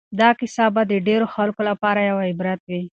دا کیسه به د ډېرو خلکو لپاره یو عبرت وي.